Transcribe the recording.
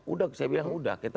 udah saya bilang udah